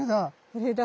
これだ。